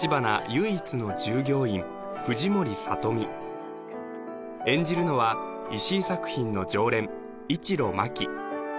唯一の従業員藤森聡美演じるのは石井作品の常連一路真輝